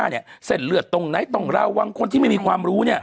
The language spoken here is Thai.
เหลือตรงไหนตรงเราวางคนที่ไม่มีความรู้